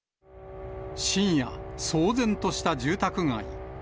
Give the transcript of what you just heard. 深夜、騒然とした住宅街。